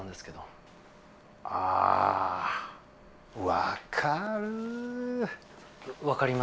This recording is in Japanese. あ分かる。